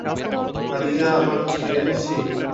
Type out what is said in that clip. খাদিজা, আমরা কি ফিরে এসেছি?